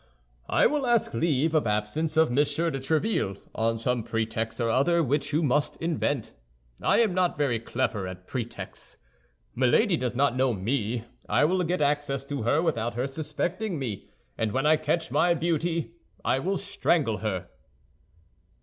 "I will ask leave of absence of Monsieur de Tréville, on some pretext or other which you must invent; I am not very clever at pretexts. Milady does not know me; I will get access to her without her suspecting me, and when I catch my beauty, I will strangle her."